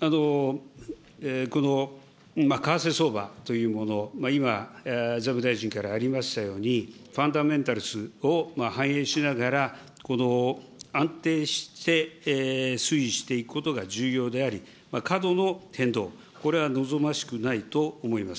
この為替相場というもの、今、財務大臣からありましたように、ファンダメンタルズを反映しながら、安定して推移していくことが重要であり、過度の変動、これは望ましくないと思います。